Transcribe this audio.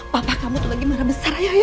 papa kamu tuh lagi marah besar ya ya